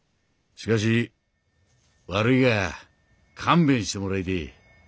しかし悪いが勘弁してもらいてえ。